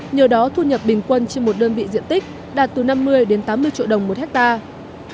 nhờ đó thu nhập bình quân trên một đơn vị diện tích đạt từ năm mươi đến tám mươi triệu đồng một hectare